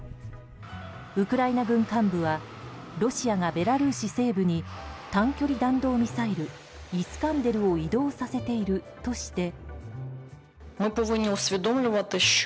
ウクライナ軍幹部はロシアがベラルーシ西部に短距離弾道ミサイルイスカンデルを移動させているとして。